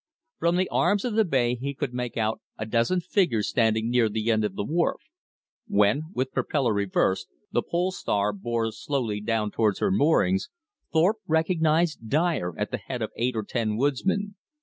From the arms of the bay he could make out a dozen figures standing near the end of the wharf. When, with propeller reversed, the Pole Star bore slowly down towards her moorings, Thorpe recognized Dyer at the head of eight or ten woodsmen.